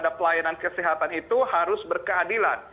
pelayanan kesehatan itu harus berkeadilan